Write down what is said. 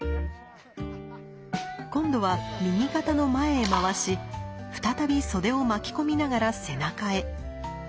今度は右肩の前へ回し再び袖を巻き込みながら背中へ。